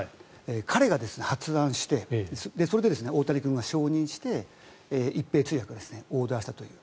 彼が発案してそれで大谷君が承認して一平通訳がオーダーしたという。